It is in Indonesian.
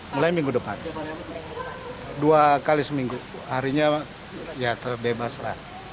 mulai minggu depan dua kali seminggu harinya ya terbebas lah